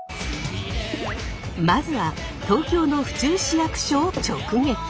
まずは東京の府中市役所を直撃！